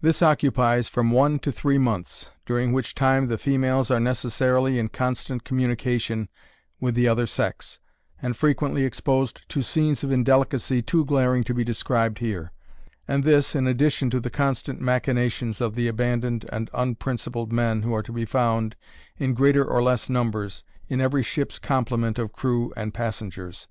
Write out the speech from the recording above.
This occupies from one to three months, during which time the females are necessarily in constant communication with the other sex, and frequently exposed to scenes of indelicacy too glaring to be described here; and this in addition to the constant machinations of the abandoned and unprincipled men who are to be found, in greater or less numbers, in every ship's complement of crew and passengers.